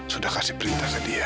sudah kasih perintah ke dia